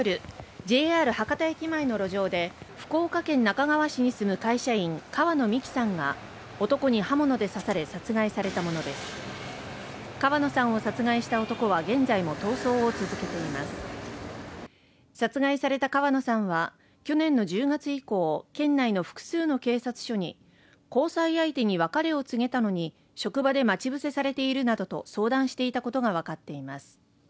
ＪＲ博多駅前の路上で福岡県那珂川市に住む会社員川野美樹さんが男に刃物で刺され殺害されたものです川野さんを殺害した男は現在も逃走を続けています殺害された川野さんは去年の１０月以降県内の複数の警察署に交際相手に別れを告げたのに職場で待ち伏せされているなどと相談していたことがわかっています